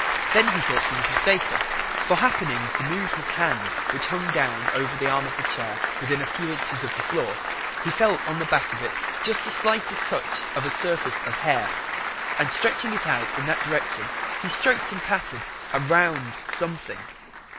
Then he thought he was mistaken: for happening to move his hand which hung down over the arm of the chair within a few inches of the floor, he felt on the back of it just the slightest touch of a surface of hair, and stretching it out in that direction he stroked and patted a rounded something.